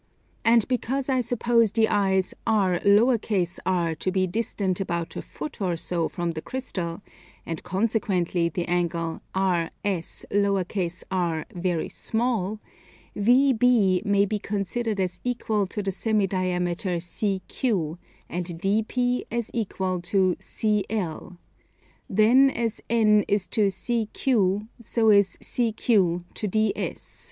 And because I suppose the eyes R_r_ to be distant about a foot or so from the crystal, and consequently the angle RS_r_ very small, VB may be considered as equal to the semi diameter CQ, and DP as equal to CL; then as N is to CQ so is CQ to DS.